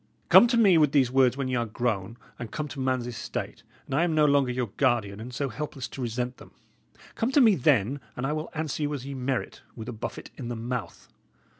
Come to me with these words when y' are grown and come to man's estate, and I am no longer your guardian, and so helpless to resent them. Come to me then, and I will answer you as ye merit, with a buffet in the mouth.